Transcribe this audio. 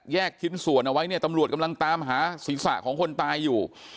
ชิ้นส่วนเอาไว้เนี่ยตำรวจกำลังตามหาศีรษะของคนตายอยู่